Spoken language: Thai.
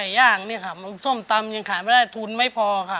ย่างนี่ค่ะส้มตำยังขายไม่ได้ทุนไม่พอค่ะ